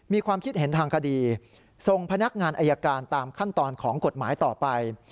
มีความคิดเห็นทางคดีส่งพนักงานอายการตามขั้นตอนของกฎหมายต่อไป